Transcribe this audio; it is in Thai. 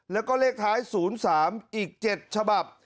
แล้วก็เลขท้าย๐๓อีก๗ฉบับ